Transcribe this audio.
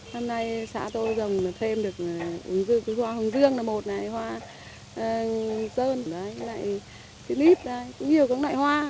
hôm nay xã tôi dùng thêm được hoa hồng dương hoa sơn hoa clip cũng nhiều các loại hoa